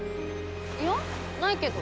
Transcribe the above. いやないけど。